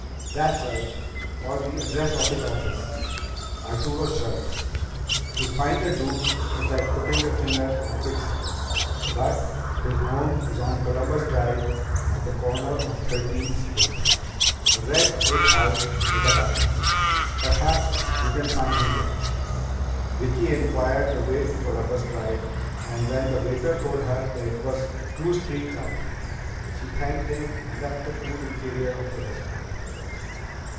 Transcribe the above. "That's right. Or the address of his office." Arturo shrugged. "To find the Duke is like putting your finger on quicksilver. But his home is on Columbus Drive at the corner of Thirteenth Street. A red brick house with a balcony. Perhaps you can find him there." Vicki inquired the way to Columbus Drive, and when the waiter told her that it was two streets up, she thanked him and left the cool interior of the restaurant.